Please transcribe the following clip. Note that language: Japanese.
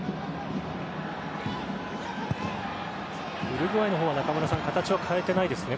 ウルグアイの方は形は変えていないですね？